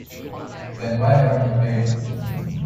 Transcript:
Then why haven't you played?